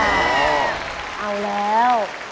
เอาแล้ว